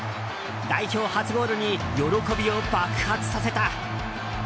代表初ゴールに喜びを爆発させた。